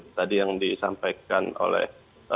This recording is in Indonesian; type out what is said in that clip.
tadi yang disampaikan oleh